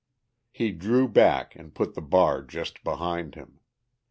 He drew back and put the bar just behind him.